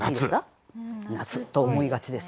夏！夏と思いがちです。